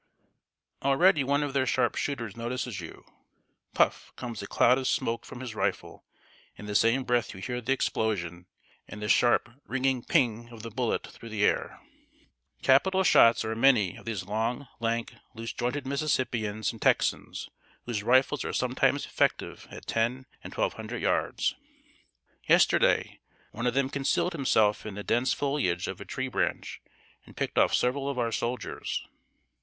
] Already one of their sharp shooters notices you. Puff, comes a cloud of smoke from his rifle; in the same breath you hear the explosion, and the sharp, ringing "ping" of the bullet through the air! Capital shots are many of these long, lank, loose jointed Mississippians and Texans, whose rifles are sometimes effective at ten and twelve hundred yards. Yesterday, one of them concealed himself in the dense foliage of a tree branch, and picked off several of our soldiers.